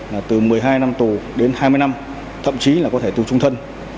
là từ một mươi hai năm tù đến hai mươi năm thậm chí là có thể tù trung thân